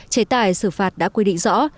chế tài xử phạt đã quy định rõ